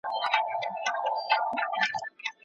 تاسي به يو ښه پلان جوړ کړئ.